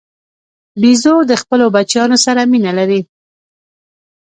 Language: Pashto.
بیزو د خپلو بچیانو سره مینه لري.